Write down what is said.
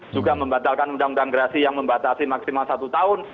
juga membatalkan undang undang gerasi yang membatasi maksimal satu tahun